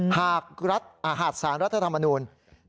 หากหัดสารรัฐธรรมนูญ